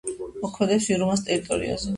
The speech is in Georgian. მოქმედებს ვირუმაას ტერიტორიაზე.